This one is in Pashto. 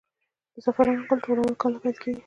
د زعفرانو ګل ټولول کله پیل کیږي؟